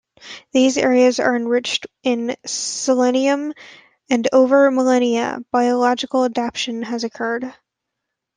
These areas are enriched in selenium and over millennia, biologic adaptation has occurred.